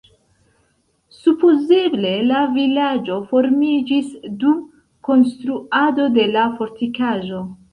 Supozeble la vilaĝo formiĝis dum konstruado de la fortikaĵo.